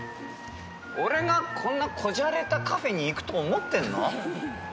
俺がこんなこじゃれたカフェに行くと思ってんの？